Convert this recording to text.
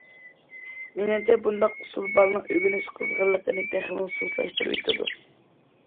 مېنىڭچە بۇنداق ئۇسۇل بالىنىڭ ئۆگىنىش قىزغىنلىقىنى تېخىمۇ سۇسلاشتۇرۇۋېتىدۇ.